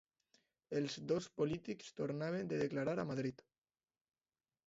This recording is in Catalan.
Els dos polítics tornaven de declarar a Madrid